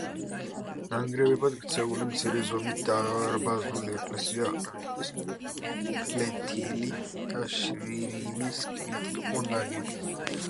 ნანგრევებად ქცეული მცირე ზომის დარბაზული ეკლესია რიყის, ფლეთილი და შირიმის ქვით იყო ნაგები.